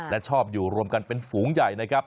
และชอบอยู่รวมกันเป็นฝูงใหญ่นะครับ